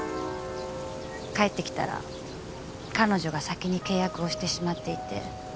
帰ってきたら彼女が先に契約をしてしまっていて。